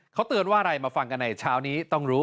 เขาเตือนว่าอะไรมาฟังกันในเช้านี้ต้องรู้